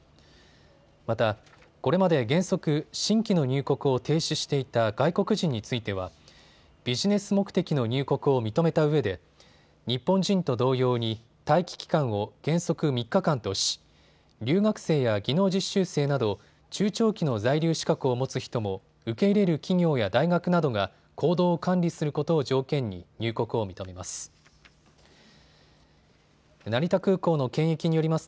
また、これまで原則、新規の入国を停止していた外国人についてはビジネス目的の入国を認めたうえで日本人と同様に待機期間を原則３日間とし、留学生や技能実習生など中長期の在留資格を持つ人も受け入れる企業や大学などが行動を管理することを条件に入国を認めます。